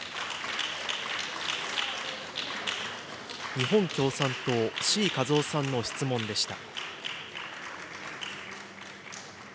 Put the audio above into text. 日本共産党、志位和夫さんの質問でした。